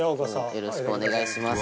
よろしくお願いします。